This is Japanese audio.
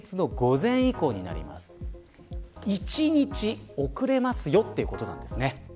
１日遅れますよっていうことなんですね。